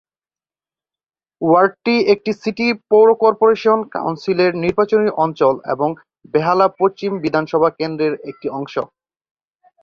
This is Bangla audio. ওয়ার্ডটি একটি সিটি পৌর কর্পোরেশন কাউন্সিলের নির্বাচনী অঞ্চল এবং বেহালা পশ্চিম বিধানসভা কেন্দ্রের একটি অংশ।